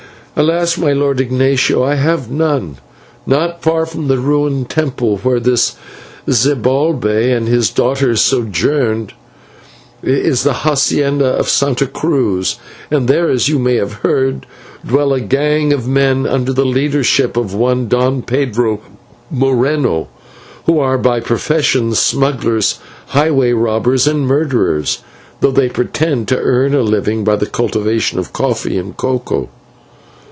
"Alas! my lord Ignatio, I have none. Not far from the ruined temple where this Zibalbay and his daughter sojourned, is the /hacienda/ of Santa Cruz, and there, as you may have heard, dwell a gang of men under the leadership of one Don Pedro Moreno, who are by profession smugglers, highway robbers, and murderers, though they pretend to earn a living by the cultivation of coffee and cocoa.